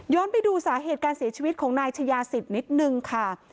ไปดูสาเหตุการเสียชีวิตของนายชายาศิษย์นิดนึงค่ะ